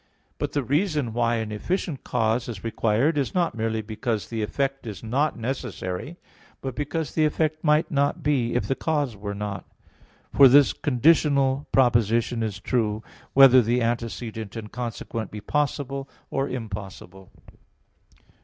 But the reason why an efficient cause is required is not merely because the effect is not necessary, but because the effect might not be if the cause were not. For this conditional proposition is true, whether the antecedent and consequent be possible or impossible.